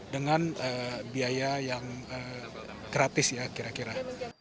dengan biaya yang gratis ya kira kira